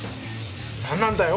何なんだよ